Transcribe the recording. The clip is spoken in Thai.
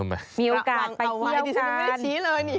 ระวังเอาไว้ดิฉันไม่ได้ชี้เลยนี่